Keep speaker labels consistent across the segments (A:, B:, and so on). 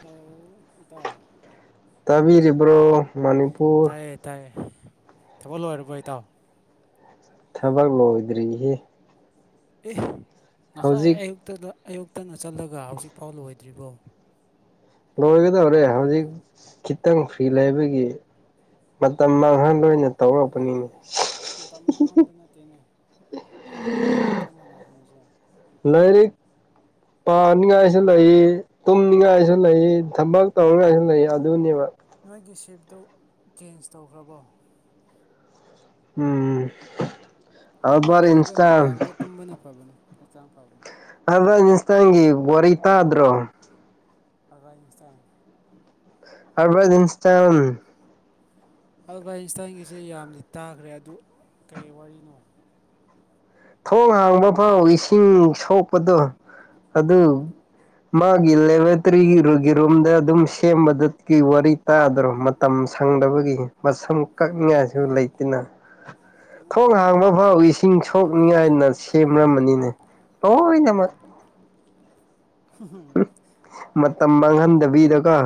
A: ꯇꯥꯎ ꯏꯇꯥꯥꯎ
B: ꯇꯥꯕꯤꯔꯤꯕ꯭ꯔꯣ ꯃꯅꯤꯄꯨꯔ
A: ꯇꯥꯏꯌꯦ ꯇꯥꯏꯌꯦ ꯊꯕꯛ ꯂꯣꯢꯔꯕꯣ ꯏꯇꯥꯎ
B: ꯊꯕꯛ ꯂꯣꯏꯗ꯭ꯔꯤꯍꯦ
A: ꯑꯦ ꯉꯁꯥꯏ
B: ꯍꯧꯖꯤꯛ
A: ꯑꯌꯨꯛꯇꯗ ꯑꯌꯨꯛ ꯐꯠꯇꯅ ꯆꯠꯂꯒ ꯍꯧꯖꯤꯛꯐꯥꯎ ꯂꯣꯏꯗ꯭ꯔꯤꯕꯣ
B: ꯂꯣꯏꯒꯗꯧꯔꯦ ꯍꯧꯖꯤꯛ ꯈꯤꯇꯪ ꯐꯤ ꯂꯩꯕꯒꯤ ꯃꯇꯝ ꯃꯥꯡꯍꯟꯅ ꯇꯧꯔꯛꯄꯅꯤꯅꯦ
A: ꯃꯇꯝ ꯃꯥꯡꯍꯟꯕ ꯅꯠꯇꯦꯅꯦ ꯂꯥꯏꯔꯤꯛ ꯄꯥꯕꯒ ꯆꯞ ꯃꯥꯟꯅꯕꯅꯤꯁꯦ
B: ꯂꯥꯏꯔꯤꯛ ꯄꯥꯅꯤꯡꯉꯥꯏꯁꯨ ꯂꯩ ꯇꯨꯝꯅꯤꯡꯉꯥꯏꯁꯨ ꯂꯩ ꯊꯕꯛ ꯇꯧꯔꯤꯉꯥꯏꯁꯨ ꯂꯩ ꯑꯗꯨꯅꯦꯕ
A: ꯅꯣꯏꯒꯤ ꯁꯤꯞꯇꯣ ꯆꯦꯟꯖ ꯇꯧꯈ꯭ꯔꯕꯣ
B: ꯎꯝ
A: ꯑꯗꯨꯅ
B: ꯑꯜꯕꯥꯔꯠ
A: ꯐꯩꯗꯣ
B: ꯑꯦꯟꯁꯇꯥꯏꯟ
A: ꯅꯨꯡꯗꯥꯡꯗ ꯇꯨꯝꯕꯅ ꯐꯕꯅꯤ ꯍꯛꯆꯥꯡ ꯐꯕꯅꯤ
B: ꯑꯕꯥꯗ ꯏꯁꯇꯥꯢꯟꯒꯤ ꯇꯥꯗ꯭ꯔꯣ
A: ꯑꯗꯥ ꯏꯟꯁꯇꯥꯏꯟ
B: ꯑꯔꯕꯥꯗ ꯏꯟꯁꯇꯥꯢꯟ
A: ꯑꯚꯥꯏꯟꯁꯇꯟꯒꯤꯁꯦ ꯌꯥꯝꯗꯤ ꯇꯥꯈ꯭ꯔꯦ ꯑꯗꯨ ꯀꯩ ꯋꯥꯔꯤꯅꯣ
B: ꯊꯣꯡ ꯍꯥꯡꯕ ꯐꯥꯎ ꯏꯁꯤꯡ ꯁꯣꯛꯄꯗꯣ ꯑꯗꯨ
A: ꯎꯝ
B: ꯃꯥꯒꯤ ꯂꯦꯕꯣꯔꯦꯇꯔꯤꯒꯤ ꯔꯨꯝꯗ ꯑꯗꯨꯝ ꯁꯦꯝꯕꯗꯨꯒꯤ ꯋꯥꯔꯤ ꯇꯥꯗꯔꯣ ꯃꯇꯝ ꯁ ꯐꯪꯗꯕꯒꯤ ꯃꯁꯝ ꯀꯛꯅꯤꯡꯉꯥꯏꯁꯨ ꯂꯩꯇꯅ
A: ꯀꯩꯅꯣ
B: ꯊꯣꯡ
A: ꯇꯧꯕꯅꯦ
B: ꯍꯥꯡꯕ ꯐꯥꯎ ꯏꯁꯤꯡ ꯁꯣꯛꯅꯤꯉꯥꯏꯅ ꯁꯦꯝꯔꯃꯅꯤꯅꯦ ꯑꯣꯢꯅꯃꯛ ꯃꯇꯝ ꯃꯥꯡꯍꯟꯗꯕꯤꯗꯒ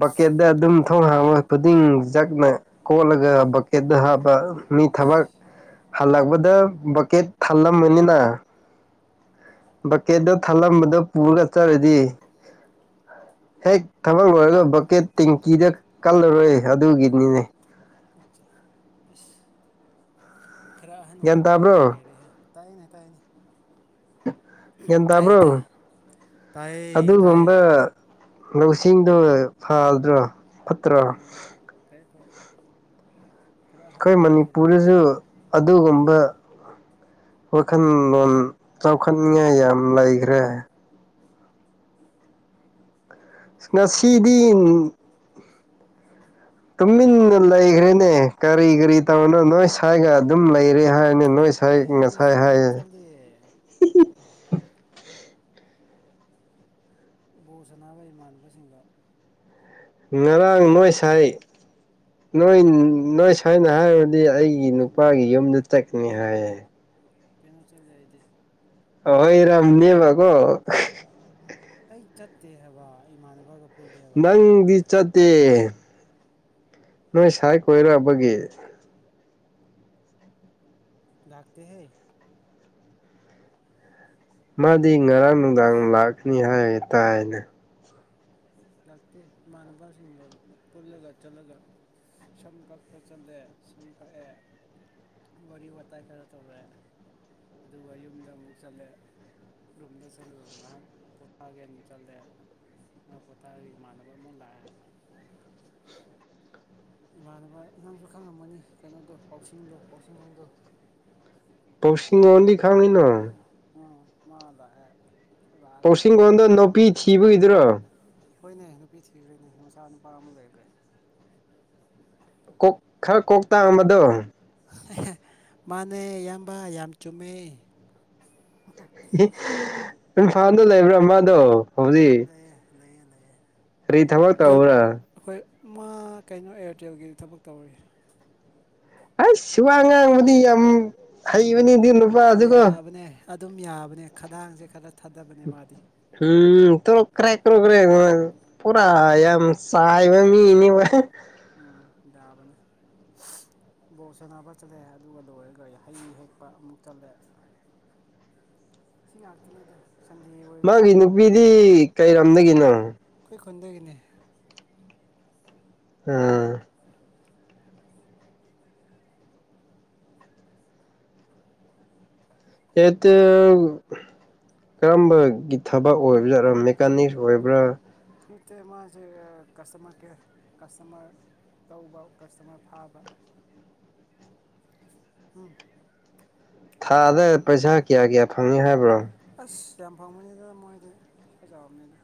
B: ꯕꯛꯀꯦꯠꯇ ꯑꯗꯨꯝ ꯊꯣꯡ ꯍꯥꯥꯡꯕ ꯈꯨꯗꯤꯡ ꯖꯛꯅ ꯀꯣꯠꯂꯒ ꯕꯛꯀꯦꯠꯇ ꯍꯥꯞꯄ ꯃꯤ ꯊꯕꯛ ꯍꯜꯂꯛꯄ ꯕꯀꯦꯠ ꯊꯜꯂꯝꯕꯅꯤꯅ ꯕꯀꯦ ꯊꯂꯝꯅꯤ ꯄꯨꯔꯒ ꯆꯔꯦꯗꯤ ꯍꯦꯛ ꯊꯕꯛ ꯂꯣꯏꯔꯒ ꯕꯛꯀꯦꯠ ꯇꯦꯡꯀꯤꯗ ꯀꯜꯂꯔꯣꯏ ꯑꯗꯨꯒꯤꯅꯤꯅꯦ
A: ꯑꯁ ꯈꯔ ꯑꯍꯟ
B: ꯒ꯭ꯌꯥꯟ
A: ꯑꯣꯏꯥꯏꯕꯒꯤ ꯌꯥꯝ
B: ꯇꯥꯕ꯭ꯔꯣ
A: ꯍꯩꯔꯦꯍꯦ ꯇꯥꯏꯅꯦ ꯇꯥꯏꯅꯦ
B: ꯒ꯭ꯌꯥꯟ
A: ꯇꯥꯏꯌꯦ
B: ꯇꯥꯕ꯭ꯔꯣ
A: ꯇꯥꯏꯌꯦ ꯇꯥꯏꯌꯦ ꯇꯥꯏꯌꯦ
B: ꯑꯗꯨꯒꯨꯝꯕ ꯂꯧꯁꯤꯡꯗꯣ ꯐꯗ꯭ꯔꯣ ꯐꯠꯇ꯭ꯔꯣ
A: ꯎꯝ ꯐꯩ ꯐꯩ ꯐꯩ
B: ꯑꯩꯈꯣꯏ
A: ꯈꯪꯗꯦ
B: ꯃꯅꯤꯄꯨꯔꯗꯁꯨ ꯑꯗꯨꯒꯨꯝꯕ ꯋꯥꯈꯜꯂꯣꯟ ꯆꯥꯎꯈꯠꯅꯤꯡꯉꯥꯏ ꯌꯥꯝ ꯂꯩꯈ꯭ꯔꯦ ꯉꯁꯤꯗꯤ ꯇꯨꯃꯤꯟꯅ ꯂꯩꯈ꯭ꯔꯦꯅꯦ ꯀꯔꯤ ꯀꯔꯤ ꯇꯧꯅꯣ ꯅꯣꯏ ꯁꯋꯥꯒ ꯑꯗꯨꯝ ꯂꯩꯔꯦ ꯍꯥꯏꯔꯅꯤ ꯅꯣꯏ ꯁꯥꯏ
A: ꯑꯩ ꯉꯁꯤ
B: ꯉꯁꯥꯏ
A: ꯀꯩꯅꯣ
B: ꯍꯥꯏꯌꯦ
A: ꯆꯠꯂꯦ
B: ꯍꯤꯍꯤ
A: ꯕꯣ ꯁꯥꯟꯅꯕ ꯏꯃꯥꯟꯅꯕꯁꯤꯡꯒ
B: ꯉꯔꯥꯡ ꯅꯣꯏ ꯁꯥꯏ ꯅꯣꯏ ꯅꯣꯏ ꯁꯥꯏꯅ ꯍꯥꯏꯔꯕꯗꯤ ꯑꯩꯒꯤ ꯅꯨꯄꯥꯒꯤ ꯌꯨꯝꯗ ꯆꯠꯀꯅꯤ ꯍꯥꯏꯌꯦ
A: ꯄꯅꯝ ꯆꯠ ꯌꯥꯗꯤ
B: ꯑꯣꯏꯔꯝꯅꯤꯕ ꯀꯣ
A: ꯑꯩ ꯆꯠꯇꯦ ꯍꯥꯏꯕ ꯏꯃꯥꯟꯅꯕꯒ ꯄꯨꯜꯂꯦꯕ
B: ꯅꯪ ꯂꯤꯗꯤꯆꯇ ꯅꯣꯏ ꯁꯥꯏ ꯀꯣꯏꯔꯛꯑꯕꯒꯤ
A: ꯗꯥꯛꯇ ꯍꯩ
B: ꯃꯥꯗꯤ ꯉꯔꯥꯡ ꯅꯨꯡꯗꯥꯡ ꯂꯥꯛꯀꯅꯤ ꯍꯥꯏꯒꯦ ꯇꯥꯏꯅꯦ
A: ꯂꯥꯛꯇꯦ ꯏꯃꯥꯟꯅꯕꯁꯤꯡꯒ ꯄꯨꯜꯂꯒ ꯆꯠꯂꯒ ꯁꯝ ꯀꯄ ꯆꯟꯗꯦ ꯁꯝ ꯀꯛꯦ ꯋꯥꯔꯤ ꯋꯥꯇꯥꯏ ꯈꯔ ꯇꯧꯔꯦ ꯑꯗꯨꯒ ꯌꯨꯝꯗ ꯑꯃꯨꯛ ꯆꯠꯂꯦ ꯨꯝꯗ ꯆꯂꯗ ꯉꯥꯏꯍꯥꯛ ꯄꯣꯊꯥꯎꯒ ꯆꯠꯗꯦ ꯉ ꯄ ꯇꯥꯔ ꯏꯃꯥꯟꯅꯕ ꯑꯃꯨꯛ ꯂꯥꯛꯑꯦ ꯏꯃꯥꯟꯅꯕ ꯅꯪꯁꯨ ꯈꯪꯉꯝꯃꯅꯤ ꯀꯩꯅꯣꯗꯣ ꯄꯥꯎꯁꯤꯡꯗꯣ ꯄꯥꯎꯁꯤꯡꯒꯣꯗꯣ
B: ꯄꯁꯤꯡꯟꯗꯤ ꯈꯃꯤꯏꯅ
A: ꯎꯝ ꯃꯥꯗꯑꯥꯛꯑꯒ
B: ꯄꯥꯎꯁꯤꯡꯒꯣꯟꯗꯣ ꯅꯨꯄꯤ ꯊꯤꯕꯒꯤꯗꯨꯔꯣ
A: ꯍꯣꯏꯅꯦ ꯅꯨꯄꯤ ꯊꯤꯈ꯭ꯔꯦꯅꯦ ꯃꯆꯥ ꯅꯨꯄꯥ ꯑꯃ ꯂꯩꯈ꯭ꯔꯦ
B: ꯀꯣꯛ ꯈꯔ ꯀꯣꯛ ꯇꯥꯡꯝꯕꯗꯣ
A: ꯃꯥꯅꯦ ꯏꯌꯥꯝꯕ ꯌꯥꯝ ꯆꯨꯝꯃꯦ
B: ꯏꯝꯐꯥꯜꯗ ꯂꯩꯕ꯭ꯔꯥ ꯃꯥꯗꯣ
A: ꯑ
B: ꯑꯩ ꯊꯃ ꯇꯎꯔ
A: ꯑꯩꯈꯣꯏ ꯃꯥ ꯀꯩꯅꯣ ꯑꯦꯌꯥꯔꯇꯦꯜꯒꯤ ꯊꯕꯛ ꯇꯧꯔꯤ
B: ꯑꯩꯁ ꯋꯥ ꯉꯥꯡꯕꯗꯤ ꯌꯥꯝ ꯍꯩꯕꯅꯤꯗꯤ ꯅꯨꯄꯥꯗꯨꯒ
A: ꯌꯥꯕꯅꯦ ꯑꯗꯨꯝ ꯌꯥꯕꯅꯦ ꯈꯗꯥꯡꯁꯦ ꯈꯔ ꯊꯥꯗꯕꯅꯦ ꯃꯥꯗꯤ
B: ꯎꯝ ꯇ ꯀ꯭ꯔꯦ ꯀ ꯀꯦ ꯄꯨꯥ
A: ꯎꯝ
B: ꯌꯥꯝ ꯁꯥ ꯍꯥꯏꯥꯏꯕ ꯃꯤ ꯏꯅꯦꯕ
A: ꯎꯝ ꯌꯥꯕꯅ ꯕꯣꯜ ꯁꯥꯟꯅꯕ ꯆꯠꯂꯦ ꯑꯗꯨꯒ ꯂꯣꯏꯔꯒ ꯍꯩ ꯍꯦꯛꯄ ꯑꯃꯨꯛ ꯆꯠꯂꯦ ꯆꯤꯡ ꯂꯥꯛꯇ ꯅꯗ
B: ꯃꯥꯒꯤ ꯅꯨꯄꯤꯗꯤ ꯀꯩꯔꯝꯗꯒꯤꯅꯣ
A: ꯀꯟꯗꯒꯤꯅꯦ
B: ꯑ ꯌꯦꯠꯇ ꯀꯔꯝꯕꯒꯤ ꯊꯕꯛ ꯑꯣꯏꯕꯠ ꯃꯦꯀꯥꯅꯤꯛꯁ ꯑꯣꯏꯕ꯭ꯔꯥ
A: ꯌ ꯃꯥꯦ ꯀꯁꯇꯃꯔ ꯀꯦꯔ ꯀꯁꯇꯃꯔ ꯇꯧꯕ ꯀꯁꯇꯃꯔ ꯐꯥꯕ
B: [unintelligible]
A: ꯎꯝ
B: ꯊꯥꯗ ꯄꯩꯁꯥ ꯀꯌꯥ ꯀꯌꯥ ꯐꯪꯏꯤ ꯍꯥꯏꯕ꯭ꯔꯣ
A: ꯁꯤ ꯌꯥꯝ ꯐꯥꯡꯕꯅꯤꯗ ꯃꯣꯏꯗ ꯄꯥꯖꯥꯝꯅꯤꯗ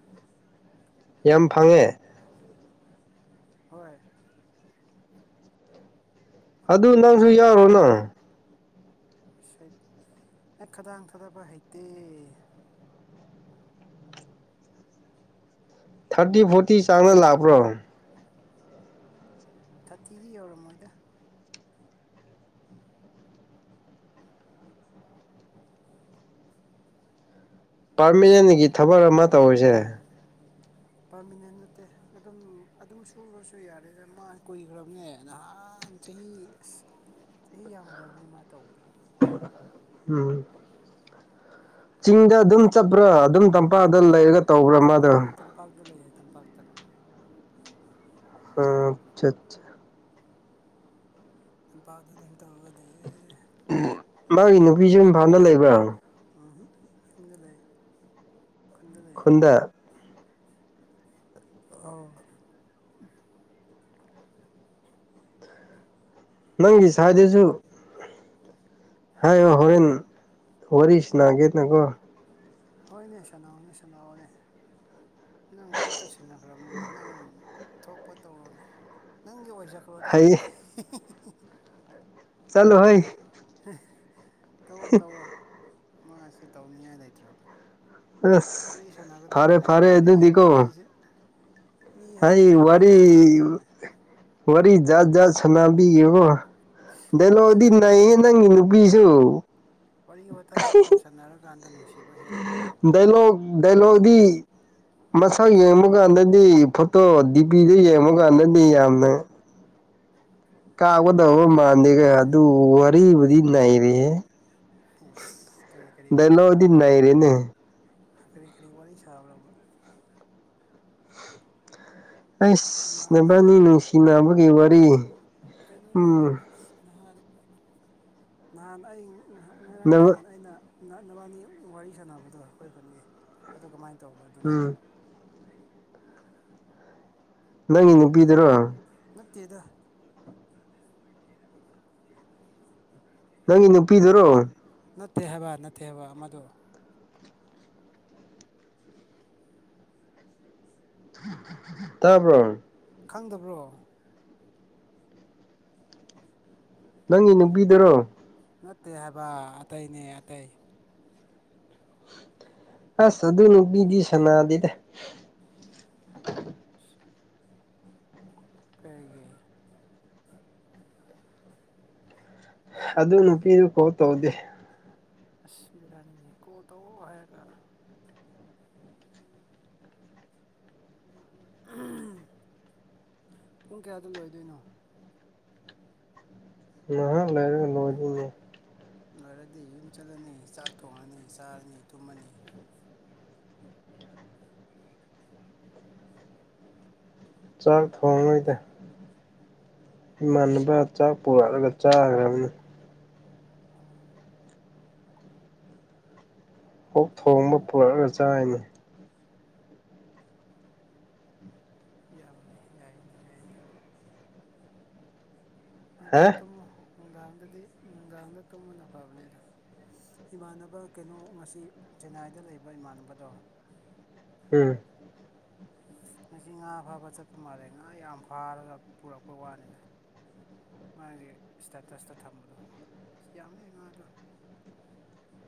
B: ꯌꯥꯝ ꯐꯪꯉꯦ
A: ꯍꯣꯏ
B: ꯑꯗꯨ ꯅꯪꯁꯨ ꯌꯥꯎꯔꯣꯅ
A: ꯑꯩ ꯈꯗꯥꯡ ꯊꯥꯗꯕ ꯍꯩꯇꯦ
B: ꯊꯥꯔꯇꯤ ꯐꯣꯔꯇꯤ ꯆꯥꯡꯅ ꯂꯥꯛꯄ꯭ꯔꯣ
A: ꯊꯥꯔꯇꯤꯗꯤ ꯌꯧꯔꯝꯃꯣꯏꯗ
B: ꯄꯥꯔꯃꯤꯅꯦꯟꯒꯤ ꯊꯕꯛ ꯑꯃ ꯇꯧꯔꯤꯁꯦ
A: ꯄꯥꯔꯃꯤꯅꯦꯟ ꯅꯠꯇꯦ ꯑꯗꯨꯝ ꯑꯗꯨꯝ ꯁꯨꯔꯨꯔꯁꯨ ꯌꯥꯔꯦꯗ ꯃꯥ ꯀꯨꯏꯈ꯭ꯔꯕꯅꯦ ꯅꯍꯥꯟ ꯆꯍꯤ ꯑꯁ ꯆꯍꯤ ꯌꯥꯝꯈ꯭ꯔꯕꯅꯦ ꯃꯥ ꯇꯧꯕꯗꯣ
B: ꯎꯝ ꯆꯤꯡꯗ ꯑꯗꯨꯝ ꯆꯠꯄ꯭ꯔꯥ ꯑꯗꯨꯝ ꯇꯝꯄꯥꯛꯗ ꯂꯩꯔꯒ ꯇꯧꯕ꯭ꯔꯥ
A: ꯇꯝꯄꯥꯛ
B: ꯃꯥꯗꯣ
A: ꯇꯝꯄꯥꯛꯇ ꯂꯩꯌꯦ ꯇꯝꯄꯥꯛꯇ
B: ꯑ ꯑꯆꯥ ꯑꯆꯥ
A: ꯑꯝꯄꯥ ꯑꯗꯨ ꯑꯗꯨꯝ ꯇꯧꯔꯒ ꯂꯩꯌꯦ꯫
B: ꯃꯥꯒꯤ ꯅꯨꯄꯤꯁꯨ ꯏꯝꯐꯥꯜꯗ ꯂꯩꯕ꯭ꯔ꯫
A: ꯌꯨꯝꯗ ꯂꯩꯌꯦ꯫
B: ꯈꯨꯨꯟꯗ꯫
A: ꯑꯧ꯫
B: ꯅꯪꯒꯤ ꯁꯥꯏꯗꯨꯁꯨ ꯍꯥꯏꯌꯣ ꯍꯣꯔꯦꯟ ꯋꯥꯔꯤꯁꯅꯒꯦꯗꯀꯣ꯫
A: ꯍꯣꯏꯅꯦ ꯁꯥꯟꯅꯑꯣꯅꯦ ꯁꯥꯟꯅꯑꯣꯅꯦ ꯅꯪ ꯈꯨꯠꯇ ꯁꯤꯟꯅꯈ꯭ꯔꯕꯅꯤꯅꯦ ꯅꯪ꯫ ꯊꯣꯛꯄ ꯇꯧꯔꯣꯅꯦ ꯅꯪꯒꯤ ꯑꯣꯏꯖꯈ꯭ꯔꯣꯗ꯫
B: ꯍꯩ ꯆꯂꯣꯍꯩ꯫
A: ꯇꯧꯑꯣ ꯇꯧꯑꯣ ꯃꯥꯁꯨ ꯇꯧꯅꯤꯡꯉꯥꯏ ꯂꯩꯇ꯭ꯔꯝꯅꯤ꯫
B: ꯑꯁ ꯐꯔꯦ ꯐꯔꯦ
A: ꯋꯥꯔꯤ
B: ꯑꯗꯨꯗꯤꯀꯣ꯫
A: ꯃꯤꯁꯦ ꯃꯤ ꯍꯥꯏꯕꯁꯦ ꯋꯥꯔꯤ ꯁꯥꯟꯅꯒꯗꯧꯕꯅꯦ꯫
B: ꯋꯥꯔꯤ ꯖꯥꯠ ꯖꯥꯠ ꯁꯅꯥꯕꯤꯌꯨꯔꯣ꯫
A: ꯋꯥꯔꯤ
B: ꯗꯥꯏꯗꯣꯛꯇꯤ ꯅꯩꯌꯦ
A: ꯁꯥꯟꯅꯒꯗꯧꯕꯅꯦ
B: ꯅꯪꯒꯤ ꯅꯨꯄꯤꯁꯨ꯫
A: ꯋꯥꯔꯤ ꯋꯥꯇꯥ ꯀꯣ ꯁꯥꯅꯔꯛꯟꯗ ꯅꯨꯡꯁꯤ
B: ꯗꯥꯏꯂꯣꯛ ꯗꯥꯏꯀꯣꯛꯇꯤ ꯃꯁꯛ ꯌꯦꯡꯕ ꯀꯥꯟꯗꯗꯤ ꯐꯣꯇꯣ ꯗꯤꯄꯤꯗꯨ ꯌꯦꯡꯕ ꯀꯥꯟꯗꯗꯤ ꯌꯥꯝꯅ ꯀꯥꯎꯒꯗꯕ ꯃꯥꯟꯗꯦꯒ ꯑꯗꯨ ꯋꯥꯔꯤꯕꯨꯗꯤ ꯅꯩꯔꯦꯍꯦ꯫
A: ꯏꯁ ꯀꯔꯤ ꯀꯔꯤ ꯋꯥꯔꯤ
B: ꯗꯥꯏꯂꯣꯛꯗꯤ
A: ꯁꯥꯕ꯭ꯔꯥꯅꯦ꯫
B: ꯅꯩꯔꯦꯅꯦ
A: ꯀꯔꯤ ꯀꯔꯤ ꯋꯥꯔꯤ ꯁꯥꯕꯔꯕ꯫
B: ꯑꯩꯁ
A: ꯏꯃꯥ
B: ꯅꯕꯅꯤ ꯅꯨꯡꯁꯤꯅꯕꯒꯤ ꯋꯥꯔꯤ꯫
A: ꯀꯩꯅꯣꯅꯦ
B: ꯎꯝ
A: ꯅꯍꯥꯟ ꯅꯍꯥꯟ ꯑꯩ
B: [unintelligible]
A: ꯅꯕꯅꯤ ꯋꯥꯔꯤ ꯁꯥꯟꯅꯕꯗꯣ ꯑꯩꯈꯣꯏ ꯈꯨꯟꯒꯤ ꯑꯗꯣ ꯀꯃꯥꯏꯟ ꯇꯧꯕ ꯑꯗꯨꯅ꯫
B: ꯎꯝ ꯅꯪꯒꯤ ꯅꯨꯄꯤꯗꯨꯔꯣ꯫
A: ꯅꯠꯇꯦꯗ꯫
B: ꯅꯪꯒꯤ ꯅꯨꯄꯤꯗꯨꯔꯣ꯫
A: ꯅꯠꯇꯦ ꯍꯥꯏꯕ ꯅꯠꯇꯦ ꯍꯥꯏꯕ ꯑꯃꯗꯣ꯫
B: ꯇꯕꯔꯣ꯫
A: ꯈꯪꯗꯕ꯭ꯔꯣ꯫
B: ꯅꯪꯒꯤ ꯅꯨꯄꯤꯗꯨꯔꯣ꯫
A: ꯅꯠꯇꯦ ꯍꯥꯏꯕ ꯑꯇꯩꯅꯦ ꯑꯇꯩ꯫
B: ꯑꯁ ꯑꯗꯨ ꯅꯨꯄꯤꯗꯤ ꯁꯅꯥꯗꯦꯗ꯫
A: ꯀꯩꯒꯤ꯫
B: ꯑꯗꯨ ꯅꯨꯄꯤꯗꯨ ꯀꯣ ꯇꯧꯗꯦ꯫
A: ꯑꯁ ꯕꯤꯔꯅꯤꯅꯦ ꯀꯣꯜ ꯇꯧꯑꯣ ꯍꯥꯏꯒ꯫ ꯄꯨꯡ ꯀꯌꯥꯗ ꯂꯣꯏꯗꯣꯏꯅꯣ꯫
B: ꯉꯍꯥꯛ ꯂꯥꯏꯔ ꯂꯣꯏꯗꯨꯏꯅꯦ꯫
A: ꯂꯣꯏꯔꯗꯤ ꯌꯨꯝ ꯆꯠꯂꯅꯤ ꯆꯥꯛ ꯊꯣꯡꯉꯅꯤ ꯆꯥꯔꯅꯤ ꯊꯨꯝꯃꯅꯤ꯫
B: ꯆꯥꯛ ꯊꯣꯡꯉꯔꯣꯏꯗ꯫ ꯏꯃꯥꯟꯅꯕ ꯆꯥꯛ ꯄꯨꯔꯛꯂꯒ ꯆꯥꯒꯔꯕꯅꯤ꯫
A: ꯎꯝ
B: ꯑꯣꯛ ꯊꯣꯡꯕ ꯄꯨꯔꯛꯒ ꯆꯥꯔꯤꯅꯤ꯫
A: ꯌꯥꯝꯅꯦ ꯌꯥꯏꯅꯦ ꯌꯥꯏꯅꯦ꯫ ꯉꯟꯇꯥ
B: ꯍꯥ
A: ꯇꯨꯝꯃꯨ ꯅꯨꯡꯗꯥꯡꯗꯗꯤ ꯅꯨꯡꯗꯥꯡꯗ ꯇꯨꯝꯕꯅ ꯐꯕꯅꯦꯗꯣ꯫ ꯏꯃꯥꯟꯅꯕ ꯀꯩꯅꯣ ꯉꯁꯤ ꯆꯦꯟꯅꯥꯏꯗ ꯂꯩꯕ ꯏꯃꯥꯟꯅꯕꯗꯣ꯫
B: ꯎꯝ꯫
A: ꯉꯁꯤ ꯉꯥ ꯐꯥꯕ ꯆꯠꯄ ꯃꯥꯜꯂꯦ ꯉꯥ ꯌꯥꯝ ꯐꯥꯔꯒ ꯄꯨꯔꯛꯄ ꯋꯥꯅꯤꯗ꯫ ꯃꯥꯒꯤ ꯏꯁꯇꯦꯇꯁꯇ ꯊꯝꯕꯗꯣ ꯌꯥꯝꯃꯦ ꯉꯥꯗꯣ꯫
B: [unintelligible]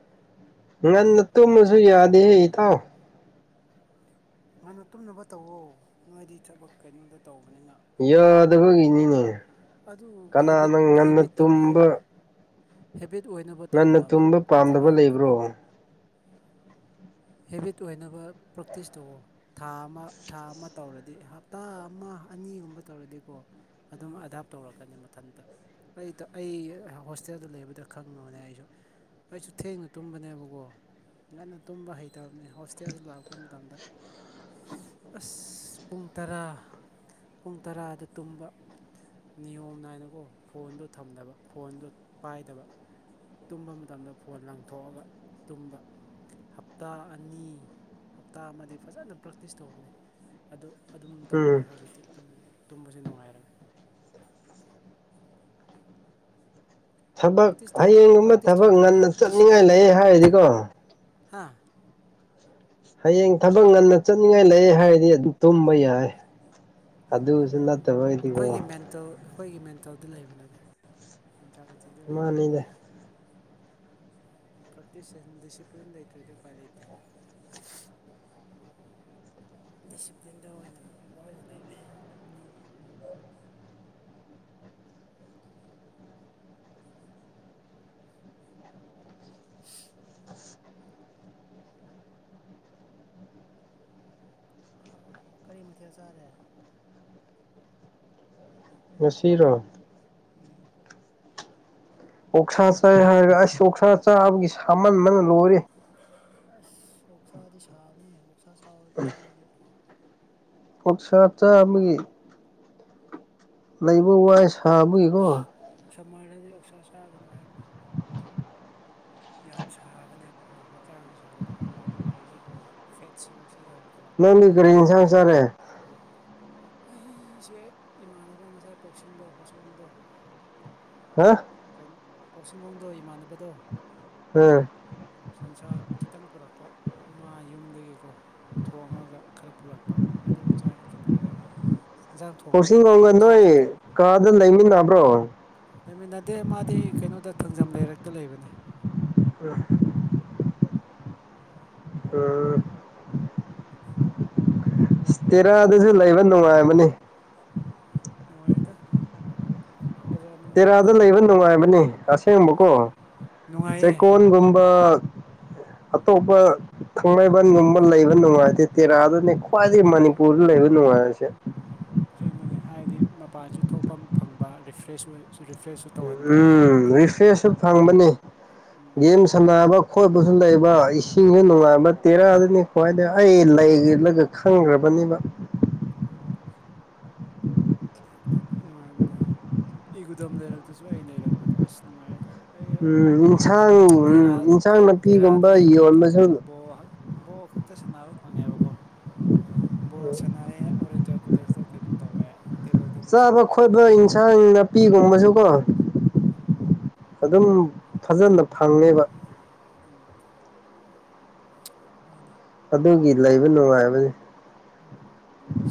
B: ꯉꯟꯅ ꯇꯨꯝꯃꯁꯨ ꯌꯥꯗꯦ ꯍ ꯏꯇꯥꯎ
A: ꯅꯪꯅ ꯇꯨꯝꯅꯕ ꯇꯧꯋꯣ ꯅꯣꯏꯗꯤ ꯊꯕꯛ ꯀꯩꯅꯣꯗ ꯇꯧꯕ
B: ꯌꯥꯗꯈꯒꯤꯅꯤꯅꯦ
A: ꯑꯗꯨ ꯍꯦꯕꯤꯠ ꯍꯦꯕꯤꯠꯦ
B: ꯇꯨꯝꯕ
A: ꯍꯦꯠ
B: ꯉꯟꯅ ꯇꯨꯝꯕ ꯄꯥꯝꯗꯕ ꯂꯩꯕ꯭ꯔꯣ
A: ꯍꯦꯕꯤꯠ ꯑꯣꯏꯅꯕ ꯄ꯭ꯔꯥꯛꯛꯇꯤꯁ ꯇꯧ ꯊꯥ ꯑꯃ ꯊꯥ ꯑꯃ ꯇꯧꯔꯗꯤ ꯍꯞꯇꯥ ꯑꯃ ꯑꯅꯤꯒꯨꯝꯕ ꯇꯧꯔꯗꯤꯀꯣ ꯑꯗꯨꯝ ꯑꯗꯥꯞ ꯇꯧꯔꯛꯀꯅꯤ ꯃꯊꯟꯇ ꯑꯩ ꯑꯩ ꯍꯣꯁꯇꯦꯜꯗ ꯂꯩꯕꯗ ꯈꯪꯉꯕꯅꯦ ꯑꯩꯁꯨ ꯑꯩꯁꯨ ꯊꯦꯡꯅ ꯇꯨꯝꯕꯅꯦꯕꯀꯣ ꯉꯟꯅ ꯇꯨꯝꯕ ꯍꯩꯇ ꯕꯅꯤ ꯍꯣꯁꯇꯦꯜꯗꯨ ꯂꯥꯛꯄ ꯃꯇꯝꯗ ꯑꯁ ꯄꯨꯡ ꯇꯔꯥ ꯄꯨꯡ ꯇꯔꯥꯗ ꯇꯨꯝꯕ ꯅꯤꯌꯣꯝ ꯅꯥꯏꯅꯀꯣ ꯐꯣꯟꯗꯨ ꯊꯝꯗꯕ ꯐꯣꯟꯗꯨ ꯄꯥꯏꯗꯕ ꯇꯨꯝꯕ ꯃꯇꯝꯗ ꯐꯣꯟ ꯂꯪꯊꯣꯛꯑꯒ ꯇꯨꯝꯕ ꯍꯞꯇꯥ ꯑꯅꯤ ꯍꯞꯇꯥ ꯑꯃꯗꯤ ꯐꯖꯅ ꯄ꯭ꯔꯦꯛꯇꯤꯁ ꯇꯧꯕꯅꯦ ꯑꯗꯨ ꯑꯗꯨꯝ ꯇꯧꯈ꯭ꯔꯦ
B: ꯎꯝ
A: ꯍꯧꯖꯤꯛꯇꯤ ꯑꯗꯨꯝ ꯇꯨꯝꯕꯁꯦ ꯅꯨꯡꯉꯥꯏꯔꯦ
B: ꯊꯕꯛ
A: ꯄ꯭ꯔꯦꯛꯇꯤꯁ ꯇꯧ
B: ꯍꯌꯦꯡꯒꯨꯝꯕ
A: ꯄ꯭ꯔꯦꯛꯇꯤꯁ
B: ꯊꯕꯛ
A: ꯇꯧꯗ꯭ꯔꯗꯤ
B: ꯉꯟꯅ ꯆꯠꯅꯤꯡꯉꯥꯏ ꯂꯩ ꯍꯥꯏꯔꯤꯗꯤꯀꯣ
A: ꯍꯥꯥ
B: ꯍꯌꯦꯡ ꯊꯕꯛ ꯉꯟꯅ ꯆꯠꯅꯤꯡꯉꯥꯏ ꯂꯩ ꯍꯥꯏꯔꯗꯤ ꯑꯗꯨꯝ ꯇꯨꯝꯕ ꯌꯥꯏ
A: ꯑꯣ
B: ꯑꯗꯨꯁꯨ ꯅꯠꯇꯕ ꯑꯣꯏꯗꯤꯀꯣ
A: ꯑꯩꯈꯣꯏꯒꯤ ꯃꯦꯟꯇꯦꯜ ꯑꯩꯈꯣꯏꯒꯤ ꯃꯦꯟꯇꯗ ꯂꯩꯕꯅꯤꯅ ꯃꯦꯟꯇꯥꯂꯤꯇꯤꯗ ꯂꯩꯕꯅꯤ
B: ꯃꯥꯅꯤꯗ
A: ꯄ꯭ꯔꯦꯛꯇꯤꯁ ꯗꯤꯁꯤꯄ꯭ꯂꯤꯟ ꯂꯩꯇ꯭ꯔꯗꯤ ꯎꯄꯥꯏ ꯂꯩꯇꯦ ꯁꯤꯤꯄ꯭꯭ꯂꯤꯟꯗ ꯣꯅ ꯂꯩꯔꯦ ꯑꯣ ꯀꯔꯤ ꯃꯊꯦꯜ ꯆꯥꯔꯦ
B: ꯉꯁꯤꯔꯣ
A: ꯎꯝ
B: ꯑꯣꯛꯁꯥ ꯆꯥꯏ ꯍꯥꯏꯔꯒ ꯑꯩ ꯑꯣꯛꯁꯥ ꯆꯥꯕꯒꯤ ꯁꯥꯃꯟ ꯑꯃꯅ ꯂꯣꯏꯔꯦ
A: ꯑ ꯑꯣꯁꯥꯗꯤ ꯁꯥꯥꯕꯅꯤ ꯑꯣꯁ
B: ꯑꯣꯠꯁꯠꯆꯥꯒꯤ ꯂꯩꯕ ꯋꯥꯏ ꯁꯥꯕꯒꯤꯀꯣ
A: ꯁꯝꯃꯔꯗꯗꯤ ꯂꯧꯣꯛꯁꯥ ꯆꯥꯒꯅꯨ ꯍꯥꯏꯕꯅꯤ ꯌꯥꯝ ꯁꯥꯕꯅꯦꯕꯀꯣ ꯍꯛꯆꯥꯡꯁꯦ ꯁꯥꯒꯠꯂꯛꯄꯅꯦꯕ ꯃꯥꯏꯁꯦ ꯐꯦꯠ ꯁꯔꯨꯛꯁ
B: ꯅꯪꯒꯤ ꯀꯔꯤꯁꯪꯁꯔꯦ
A: ꯑꯩꯁꯦ ꯏꯃꯥꯟꯅꯕ ꯉꯁꯥꯏ ꯄꯥꯎꯁꯤꯡꯗꯣ ꯄꯥꯎꯁꯤꯡꯂꯣꯗꯣ
B: ꯍꯥ
A: ꯄꯥꯎꯁꯤꯡꯒꯣꯡꯗꯣ ꯏꯃꯥꯟꯅꯕꯗꯣ
B: ꯎꯝ
A: ꯁꯟꯁ꯭ꯔꯥ ꯈꯤꯇꯪ ꯄꯨꯔꯛꯄ ꯃꯥ ꯌꯨꯝꯗꯒꯤꯀꯣ ꯊꯣꯡꯉꯒ ꯈꯔ ꯄꯨꯔꯛꯄ ꯑꯗꯨ ꯆꯥꯏ ꯈꯤꯇꯪ ꯏꯟꯖꯥꯡ ꯊꯣꯡꯗꯦ
B: ꯄꯨꯁꯤ
A: ꯑꯩ
B: ꯀ
A: ꯆꯥꯛ
B: ꯀꯅꯣꯌꯦ
A: ꯈꯛꯇ
B: ꯀꯥꯗ ꯅ꯭ꯔꯣ
A: ꯂꯩꯃꯤꯟꯅꯗꯦ ꯃꯥꯗꯤ ꯀꯩꯅꯣꯗ ꯊꯥꯡꯖꯝ ꯂꯩꯔꯛꯇ ꯂꯩꯕꯅꯦ
B: ꯎꯝ ꯎꯝ ꯇꯦꯔꯥꯗꯁꯨ ꯂꯩꯕ ꯅꯨꯡꯉꯥꯏꯕꯅꯤ
A: ꯅꯨꯡꯉꯥꯏꯗ ꯕꯖꯥꯔ
B: ꯇꯦꯔꯥꯗ
A: ꯃꯅꯨꯡꯗꯒꯤꯁꯨ
B: ꯂꯩꯕ ꯅꯨꯡꯉꯥꯏꯕꯅꯤ ꯑꯁꯦꯡꯕꯀꯣ
A: ꯅꯨꯡꯉꯥꯏꯌꯦ
B: ꯆꯩꯀꯣꯟꯒꯨꯝꯕ ꯑꯠꯇꯣꯄ ꯊꯥꯡꯃꯩꯕꯟꯒꯨꯝꯕ ꯂꯩꯕ ꯅꯨꯡꯉꯥꯏꯇꯦ ꯇꯦꯔꯥꯗꯨꯅꯦ ꯈ꯭ꯋꯥꯏꯗꯒꯤ ꯃꯅꯤꯄꯨꯔꯗ ꯂꯩꯕ ꯅꯨꯡꯉꯥꯏꯔꯁꯦ
A: ꯑꯁꯦꯡꯕꯅꯤ ꯍꯥꯏꯗꯤ ꯃꯄꯥꯟꯁꯨ ꯊꯣꯛꯐꯝ ꯐꯪꯕ ꯔꯤꯐ꯭ꯔꯦꯁ ꯐ꯭ꯔꯦꯁ
B: ꯎꯝ ꯔꯤꯐ꯭ꯔꯦꯁꯁꯨ ꯐꯪꯕꯅꯤ
A: ꯎꯝ
B: ꯒꯦꯝ ꯁꯥꯟꯅꯕ ꯑꯣꯏꯕꯁꯨ ꯂꯩꯕ ꯏꯁꯤꯡꯁꯨ ꯅꯨꯡꯉꯥꯏꯕ ꯇꯦꯔꯥ ꯑꯗꯨꯅꯤ ꯍꯣꯏꯏꯅꯦ ꯑꯩ ꯂꯩꯂꯒ ꯈꯪꯈ꯭ꯔꯕꯅꯦꯕ
A: ꯎꯝ ꯅꯨꯡꯉꯥꯏꯕꯅꯦ ꯏꯒꯨꯗꯝ ꯂꯩꯔꯛꯇꯁꯨ ꯑꯩ ꯂꯩꯔꯛꯄꯗ ꯑꯁ ꯅꯨꯡꯉꯥꯏꯗ ꯑꯩ
B: ꯎꯝ ꯑꯦꯟꯁꯥꯡ
A: ꯇꯦꯔꯥ
B: ꯎ ꯑꯦꯟꯁꯥꯡ
A: ꯇꯦꯔꯥꯗ
B: ꯅꯥꯄꯤꯒꯨꯝꯕ
A: ꯂꯩꯕ
B: ꯌꯣꯟꯕꯁꯨ
A: ꯃꯇꯝꯗꯗꯤ ꯕꯣꯜ ꯕꯣꯜ ꯈꯛꯇ ꯁꯥꯟꯅꯕ ꯐꯪꯉꯦꯕꯀꯣ ꯕꯣ ꯁꯅꯥꯑ ꯑꯣꯔꯌꯦꯟꯇꯦꯜ ꯀꯣꯂꯦꯖꯇ ꯀꯩꯅꯣ ꯇꯧꯋꯦ ꯇꯦꯕꯜ ꯇꯦꯅꯤꯁ
B: ꯆꯥꯕ
A: ꯁꯥꯟꯅꯔꯛꯄ
B: ꯈꯣꯠꯄ ꯏꯟꯁꯥꯡ ꯅꯥꯄꯤꯒꯨꯝꯕꯁꯨ ꯀꯣ
A: ꯎꯝ
B: ꯑꯗꯨꯝ ꯐꯖꯅ ꯐꯪꯉꯦꯕ
A: ꯃꯥꯅꯦ
B: ꯑꯗꯨꯒꯤ ꯂꯩꯕ ꯅꯨꯡꯉꯥꯏꯕꯅꯦ
A: ꯎꯝ